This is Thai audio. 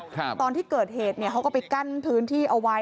ตอนที่เกิดเหตุเนี่ยเขาก็ไปกั้นพื้นที่เอาไว้